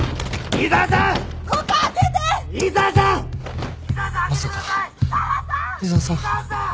井沢さん。